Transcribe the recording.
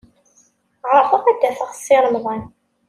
Ɛerḍeɣ ad d-afeɣ Si Remḍan.